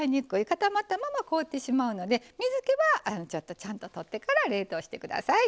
固まったまま凍ってしまうので水けはちゃんと取ってから冷凍してください。